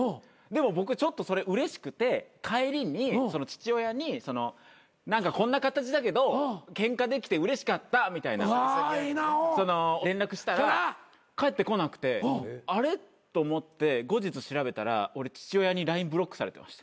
でも僕ちょっとそれうれしくて帰りに父親に「何かこんな形だけどケンカできてうれしかった」みたいな連絡したら返ってこなくて「あれ？」と思って後日調べたら俺父親にＬＩＮＥブロックされてました。